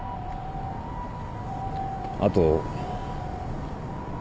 あと。